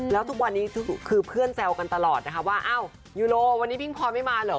แล้วทุกวันนี้คือเพื่อนแซวกันตลอดนะคะว่าอ้าวยูโรวันนี้พิงพรไม่มาเหรอ